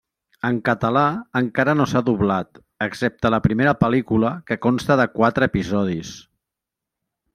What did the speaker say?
En català encara no s'ha doblat, excepte la primera pel·lícula, que consta de quatre episodis.